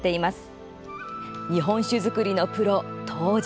日本酒造りのプロ杜氏。